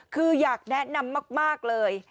คืออยากแนะนำมากเลย